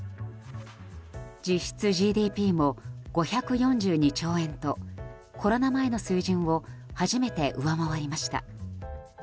実質ＧＤＰも５４２兆円とコロナ前の水準を初めて上回りました。